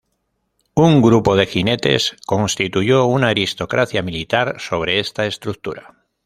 Un grupo de jinetes constituyó una aristocracia militar sobre esta estructura.